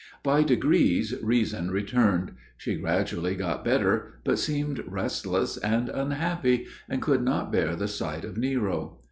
By degrees reason returned; she gradually got better, but seemed restless and unhappy, and could not bear the sight of Nero.